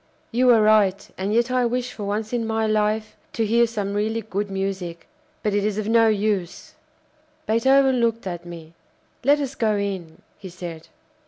"You are right, and yet I wish for once in my life to hear some really good music. But it is of no use." Beethoven looked at me. "Let us go in," he said.